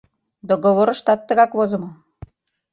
Договорыштат тыгак возымо!